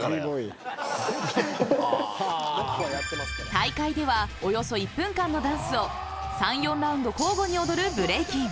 大会ではおよそ１分間のダンスを３、４ラウンド交互に踊るブレイキン。